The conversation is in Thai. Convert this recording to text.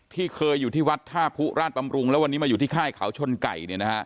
ที่เคยอยู่ที่วัดท่าผู้ราชบำรุงแล้ววันนี้มาอยู่ที่ค่ายเขาชนไก่